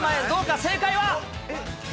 どうか、正解は。